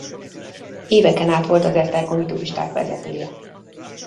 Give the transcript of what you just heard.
Éveken át volt az esztergomi turisták vezetője.